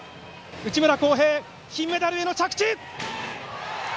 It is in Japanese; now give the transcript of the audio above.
内村航平、金メダルへの着地！